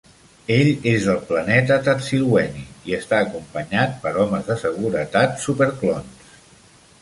Ell és del planeta Tadsilweny i està acompanyat per homes de seguretat "superclons".